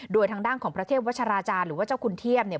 โดยทางด้านของพระเทพวัชราจารย์หรือว่าเจ้าคุณเทียบเนี่ย